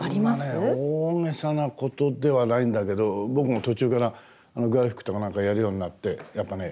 そんなね大げさなことではないんだけど僕も途中からグラフィックとか何かやるようになってやっぱね